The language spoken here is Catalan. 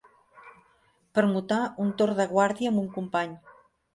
Permutar un torn de guàrdia amb un company.